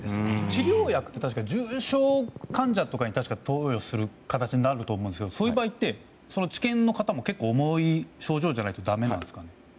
治療薬って確か重症患者とかに投与する形になると思うんですけどそういう場合って治験の方も結構、重い症状じゃないとだめなんですかね。